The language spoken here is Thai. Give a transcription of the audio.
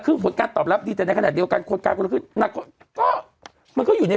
เค้าจะออกมาประกาศว่ายังไง